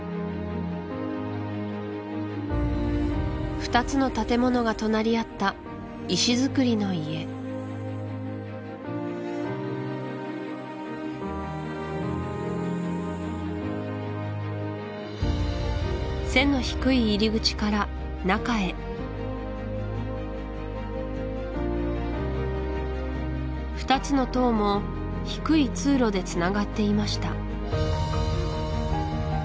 ２つの建物が隣り合った石造りの家背の低い入り口から中へ２つの棟も低い通路でつながっていました